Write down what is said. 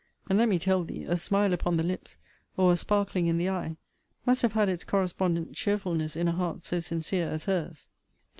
And, let me tell thee, a smile upon the lips, or a sparkling in the eye, must have had its correspondent cheerfulness in a heart so sincere as her's.